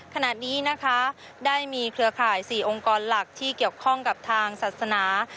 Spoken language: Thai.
ขณะนี้นะคะได้มีเครือข่าย๔องค์กรหลักที่เกี่ยวข้องกับทางศาสนา